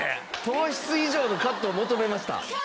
糖質以上のカットを求めました。